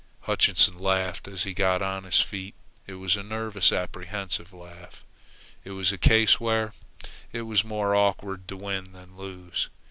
Hutchinson laughed as he got up on his feet. It was a nervous, apprehensive laugh. It was a case where it was more awkward to win than lose.